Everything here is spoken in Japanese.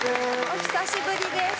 お久しぶりです。